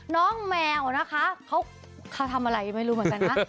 น้องแมวนะคะเขาทำอะไรไม่รู้เหมือนกันนะ